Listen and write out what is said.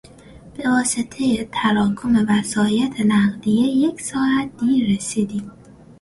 به واسطهی تراکم وسایط نقلیه یک ساعت دیر رسیدیم.